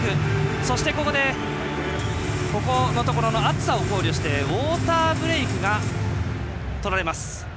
そして、ここでここのところの暑さを考慮してウォーターブレークがとられます。